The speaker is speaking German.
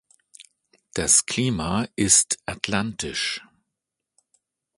Das Klima ist atlantisch.